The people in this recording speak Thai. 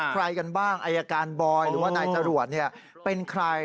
ใครกันบ้างอายการบอยหรือว่านายจรวดเป็นใคร